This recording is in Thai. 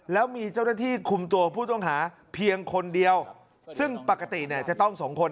แล้วมีเจ้าหน้าที่คุมตัวผู้ต้องหาเพียงคนเดียวซึ่งปกติเนี่ยจะต้องสองคน